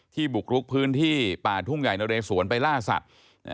บุกรุกพื้นที่ป่าทุ่งใหญ่นเรสวนไปล่าสัตว์